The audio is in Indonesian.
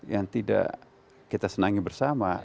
yang tidak kita senangi bersama